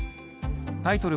タイトル